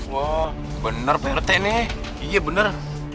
wah bener pak rt ini iya bener